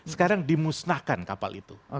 sekarang dimusnahkan kapal itu